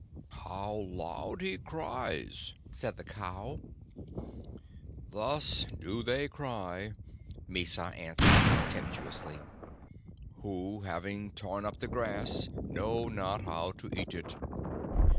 "How loud he cries!" said the cow. "Thus do they cry," Mysa answered contemptuously, "who, having torn up the grass, know not how to eat it."